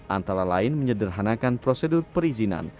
antara lain menyederhanakan prosedur perizinan